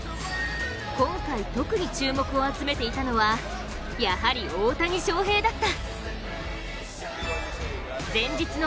今回、特に注目を集めていたのはやはり大谷翔平だった。